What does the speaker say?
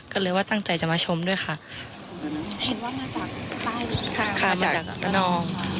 ก็เลยว่าตั้งใจจะมาชมด้วยค่ะเห็นว่ามาจากใต้ดินค่ะมาจากระนอง